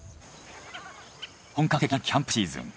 本格的なキャンプシーズン。